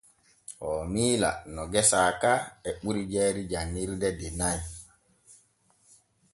Oo miila no gesa ka e ɓuri jayri janŋirde de nay.